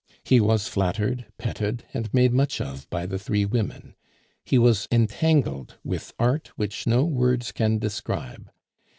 He was flattered, petted, and made much of by the three women; he was entangled with art which no words can describe.